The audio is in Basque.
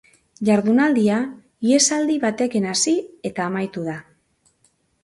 Jardunaldia ihesaldi batekin hasi eta amaitu da.